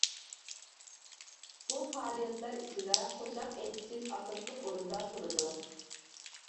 بۇ پائالىيەتلەر ئىچىدە قوشاق ئېيتىشىش ئاساسلىق ئورۇندا تۇرىدۇ.